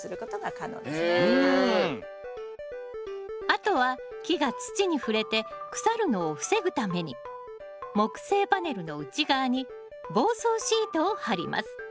あとは木が土に触れて腐るのを防ぐために木製パネルの内側に防草シートを貼ります